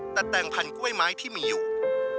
ตัดแต่งพันกล้วยไม้ที่มีอยู่